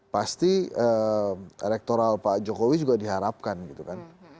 pasti elektoral pak jokowi juga diharapkan gitu kan